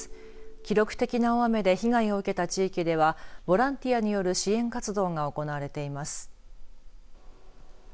記録的な大雨で被害を受けた地域ではボランティアによる支援活動が行われています。